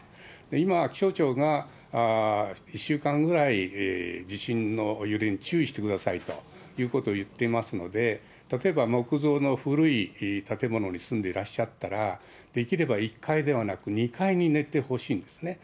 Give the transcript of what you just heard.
今、気象庁が１週間ぐらい、地震の揺れに注意してくださいということを言っていますので、例えば木造の古い建物に住んでいらっしゃったら、できれば１階ではなく２階に寝てほしいんですね。